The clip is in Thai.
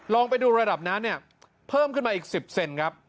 ลองไปดูระดับน้ำเนี่ยเพิ่มขึ้นมาอีก๑๐เซนครับ